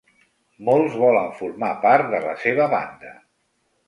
Molts volen formar part de la seva banda.